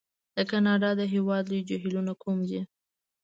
د کانادا د هېواد لوی جهیلونه کوم دي؟